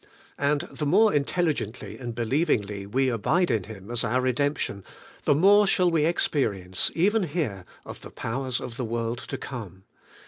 And the more intelli gently and believingly we abide in Him as our re demption, the more shall we experience, even here, of 'the powers of the world to come.'